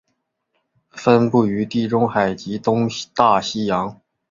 分布于地中海及东大西洋。